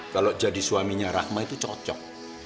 kalau jadi suaminya rahma itu cocok